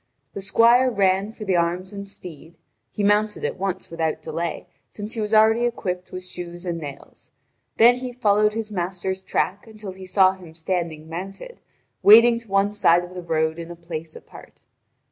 The squire ran for the arms and steed; he mounted at once without delay, since he was already equipped with shoes and nails. Then he followed his master's track until he saw him standing mounted, waiting to one side of the road in a place apart.